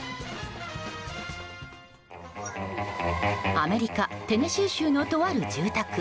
アメリカ・テネシー州のとある住宅。